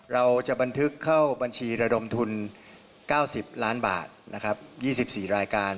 เราจะบันทึกเข้าบัญชีระดมทุน๙๐ล้านบาทนะครับ๒๔รายการ